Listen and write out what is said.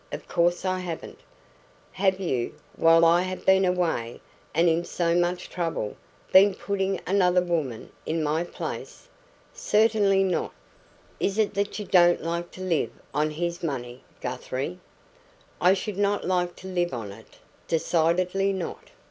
Of course I haven't." "Have you while I have been away, and in so much trouble been putting another woman in my place?" "Certainly not." "Is it that you don't like to live on his money, Guthrie?" "I should NOT like to live on it decidedly not.